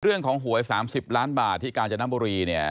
เรื่องของหวย๓๐ล้านบาทที่การจะนำบรีเนี่ย